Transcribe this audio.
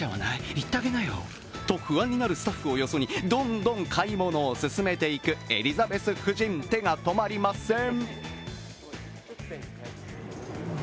言ってあげなよ、と不安になるスタッフをよそにどんどん買い物を進めていくエリザベス夫人、手が止まりません。